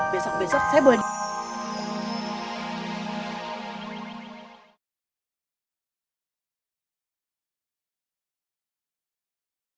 besok besok saya boleh